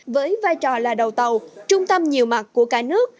với vai trò là đầu tàu trung tâm nhiều mặt của cả nước